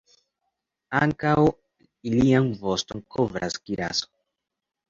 Ankaŭ ilian voston kovras kiraso.